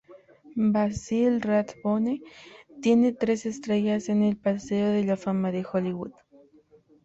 Basil Rathbone tiene tres estrellas en el Paseo de la Fama de Hollywood.